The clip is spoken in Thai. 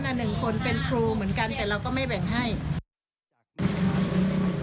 ละหนึ่งคนเป็นครูเหมือนกันแต่เราก็ไม่แบ่งให้